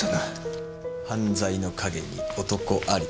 犯罪の陰に男ありですね。